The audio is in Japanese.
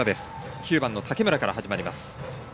９番の竹村から始まります。